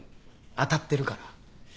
当たってるから。